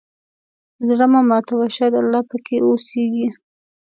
زړه مه ماتوه، شاید الله پکې اوسېږي.